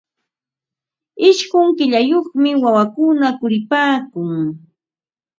Ishqun killayuqmi wawakuna yuripaakun.